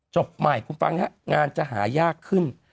จบใหม่คุณฟังฮะงานจะหายากขึ้น